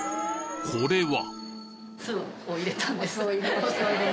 これは！？